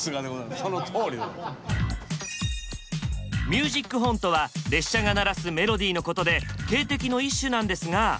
ミュージックホーンとは列車が鳴らすメロディーのことで警笛の一種なんですが。